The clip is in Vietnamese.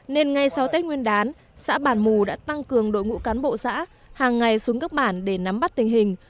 nên ngay sau tết nguyên đán xã bản mù đã tăng cường đội ngũ cán bộ xã hàng ngày xuống các bản để nắm bắt tình hình